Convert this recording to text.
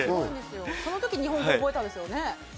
その時に日本語を覚えたんですよね。